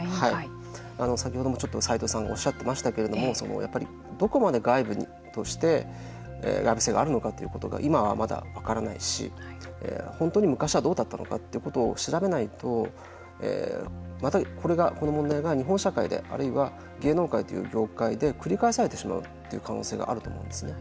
先ほどもちょっと齋藤さんがおっしゃってましたけどもやっぱりどこまで外部として外部性があるのかが今はまだ分からないし本当に昔はどうだったのかということを調べないとまたこの問題が日本社会で、あるいは芸能界といった業界で繰り返されてしまうという可能性があると思うんですね。